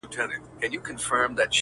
څوك وتلى په شل ځله تر تلك دئ!!